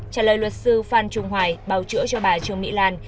trả lời luật sư phan trung hoài bảo chữa cho bà trương mỹ lan